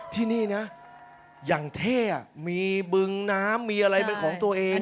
ที่นี่นะอย่างเท่มีบึงน้ำมีอะไรเป็นของตัวเอง